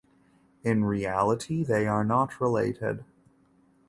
In reality they are not related.